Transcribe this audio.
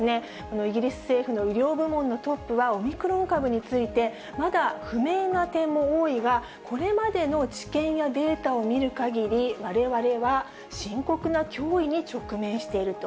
イギリス政府の医療部門のトップは、オミクロン株について、まだ不明な点も多いが、これまでの知見やデータを見るかぎり、われわれは深刻な脅威に直面していると。